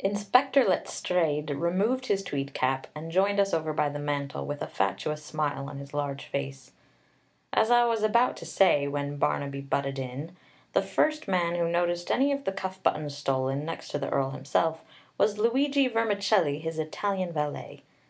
Inspector Letstrayed removed his tweed cap and joined us over by the mantel, with a fatuous smile on his large face. "As I was about to say, when Barnaby butted in, the first man who noticed any of the cuff buttons stolen, next to the Earl himself, was Luigi Vermicelli, his Italian valet.